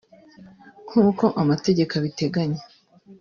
nk’uko amategeko abiteganya